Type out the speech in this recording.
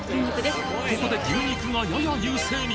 ここで牛肉がやや優勢に！